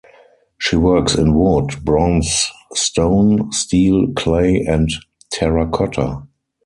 She works in wood, bronze, stone, steel, clay and terracotta.